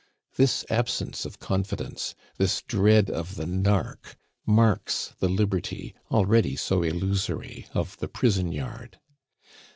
This absence of confidence, this dread of the nark, marks the liberty, already so illusory, of the prison yard.